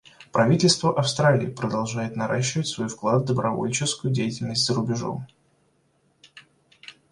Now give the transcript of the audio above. Правительство Австралии продолжает наращивать свой вклад в добровольческую деятельность за рубежом.